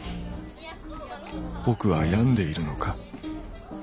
僕は病んでいるのか。